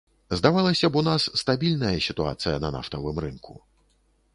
Здавалася б, у нас стабільная сітуацыя на нафтавым рынку.